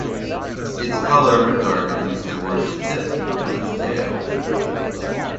Its colour darkens towards the tip of its tail.